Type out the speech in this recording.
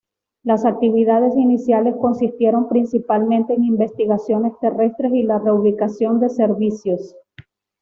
Las actividades iniciales consistieron principalmente en investigaciones terrestres y la reubicación de servicios.